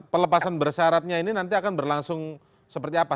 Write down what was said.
pelepasan bersyaratnya ini nanti akan berlangsung seperti apa